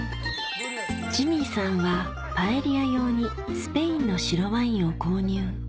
ジミーさんはパエリア用にスペインの白ワインを購入